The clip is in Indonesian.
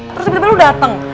terus tiba tiba lu datang